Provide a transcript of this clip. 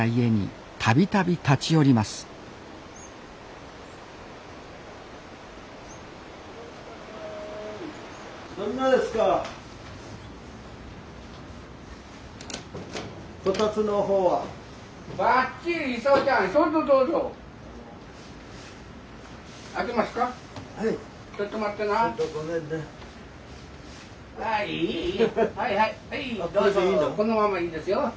このままいいですよ。